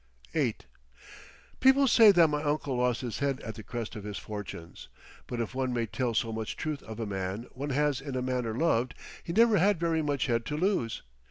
VIII People say that my uncle lost his head at the crest of his fortunes, but if one may tell so much truth of a man one has in a manner loved, he never had very much head to lose.